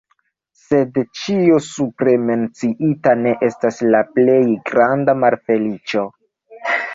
Sed ĉio supre menciita ne estas la plej granda malfeliĉo.